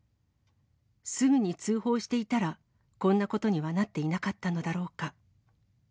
すぐに通報していたらこんなことにはなっていなかったのだろうか。